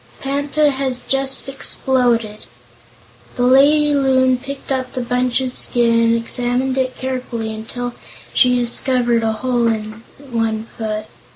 "Panta has just exploded." The lady Loon picked up the bunch of skin and examined it carefully until she discovered a hole in one foot.